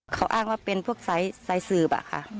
เขาอ้างว่าเป็นพวกทรายศาสตร์ป่ะคะ